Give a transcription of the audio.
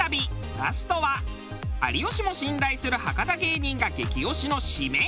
ラストは有吉も信頼する博多芸人が激推しの締め。